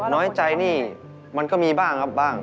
น้อยใจนี่มันก็มีบ้างครับบ้าง